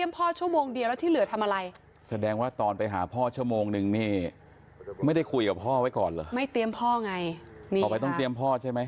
พ่อไงนี่ค่ะขอไปต้องเตรียมพ่อใช่ไหม